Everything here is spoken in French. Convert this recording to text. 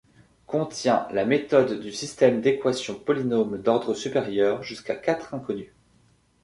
Contient la méthode du système d'équations polynômes d'ordre supérieur jusqu'à quatre inconnues.